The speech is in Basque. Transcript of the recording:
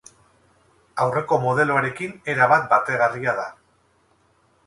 Aurreko modeloarekin erabat bateragarria da.